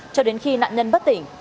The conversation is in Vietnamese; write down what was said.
cho đến khi nạn nhân bất tỉnh